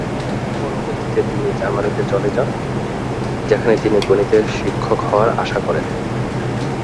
পরবর্তীতে তিনি জার্মানিতে চলে যান, যেখানে তিনি গণিতের শিক্ষক হওয়ার আশা করেন।